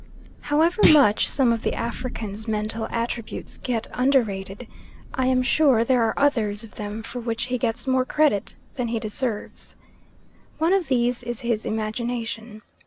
However much some of the African's mental attributes get under rated, I am sure there are others of them for which he gets more credit than he deserves. One of these is his imagination.